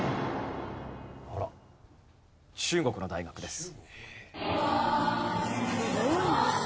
中国の大学です。